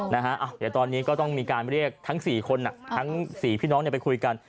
เดี๋ยวตอนนี้ก็ต้องมีการเรียกทั้ง๔คนทั้ง๔พี่น้องไปคุยกัน